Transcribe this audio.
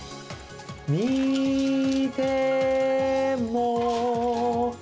「みても」